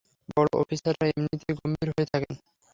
বড় অফিসাররা এমনিতেই গম্ভীর হয়ে থাকেন।